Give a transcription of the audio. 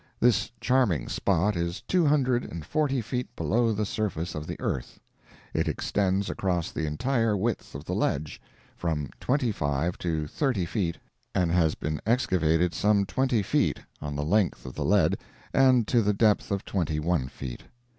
This charming spot is two hundred and forty feet below the surface of the earth. It extends across the entire width of the ledge—from twenty five to thirty feet—and has been excavated some twenty feet on the length of the lead, and to the depth of twenty one feet.